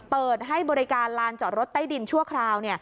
เปิดให้บริการลานจอดรถใต้ดินชั่วคราว